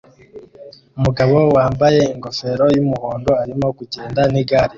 Umugabo wambaye ingofero yumuhondo arimo kugenda nigari